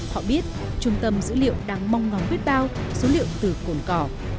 họ biết trung tâm dữ liệu đang mong ngóng biết bao số liệu từ cồn cỏ